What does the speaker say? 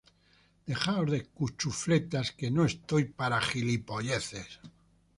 Dejaos de cuchufletas que no estoy para gilipolleces